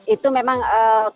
itu memang ketika